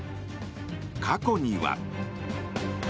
過去には。